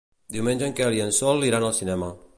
Diumenge en Quel i en Sol iran al cinema.